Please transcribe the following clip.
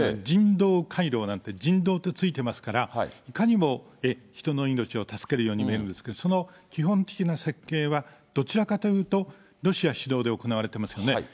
人道回廊なんて、人道ってついてますから、いかにも人の命を助けるように見えるんですけど、その基本的な設計はどちらかというと、ロシア主導で行われていますよね。